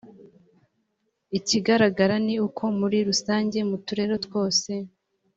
ikigaragara ni uko muri rusange mu turere twose